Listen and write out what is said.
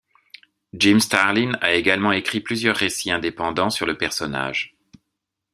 Jim Starlin a également écrit plusieurs récits indépendants sur le personnage.